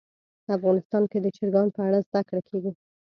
افغانستان کې د چرګان په اړه زده کړه کېږي.